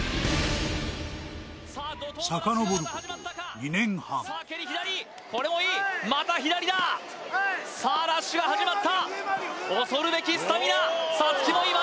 ２年半さあ蹴り左これもいいまた左ださあラッシュが始まった恐るべきスタミナ